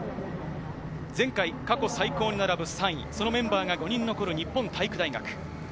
前回、過去最高に並ぶ３位、そのメンバーが５人残る日本体育大学。